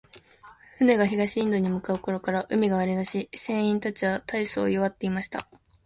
船が東インドに向う頃から、海が荒れだし、船員たちは大そう弱っていました。